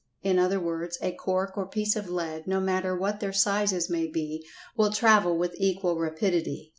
In other words, a cork or piece of lead, no matter what their sizes may be, will travel with equal rapidity.